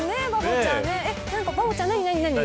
バボちゃん、何何。